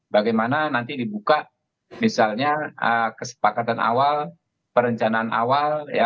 bagaimana nanti dibuka misalnya kesepakatan awal perencanaan awal